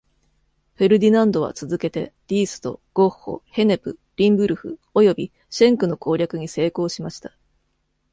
フェルディナンドは続けて、ディースト、ゴッホ、ヘネプ、リンブルフ、およびシェンクの攻略に成功しました。